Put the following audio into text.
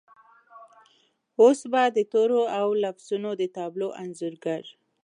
اوس به د تورو او لفظونو د تابلو انځورګر